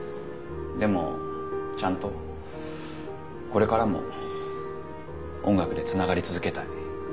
でもちゃんとこれからも音楽でつながり続けたい。